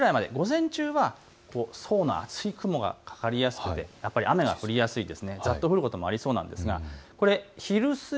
昼前くらいまで午前中は層の厚い雲がかかりやすくて、雨が降りやすいです。